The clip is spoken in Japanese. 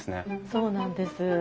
そうなんです。